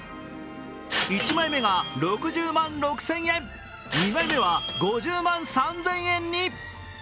１枚目が６０万６０００円、２枚目は５０万３０００円に。